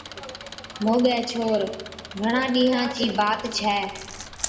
موڳَي ڇوهر: گھڻا ڏِينهان چِي بات ڇَي،